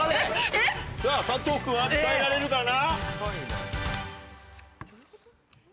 えっ⁉さぁ佐藤君は伝えられるかな？